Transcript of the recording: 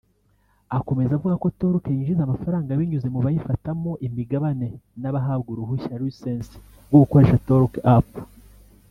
Akomeza avuga ko TorQue yinjiza amafaranga binyuze mu bayifatamo imigabane n’abahabwa urushushya (license) rwo gukoresha TorQue App